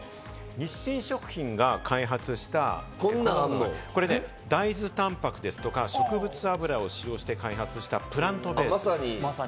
日清食品が開発した、これね、大豆タンパクですとか、植物油を使用して開発したプラントベースうなぎ。